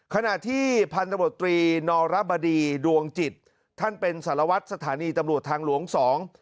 ขณะที่พันธบตรีนอรบดีดวงจิตท่านเป็นสารวัตรสถานีตำรวจทางหลวงสอง